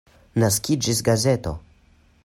Naskiĝis gazeto.